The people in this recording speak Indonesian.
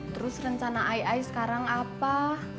terus rencana ai sekarang apa